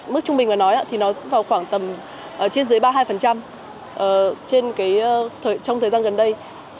mức trung bình mà nói thì nó vào khoảng tầm trên dưới ba hai trong thời gian gần đây